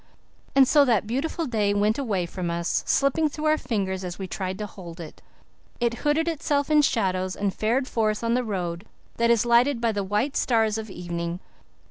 And so that beautiful day went away from us, slipping through our fingers as we tried to hold it. It hooded itself in shadows and fared forth on the road that is lighted by the white stars of evening.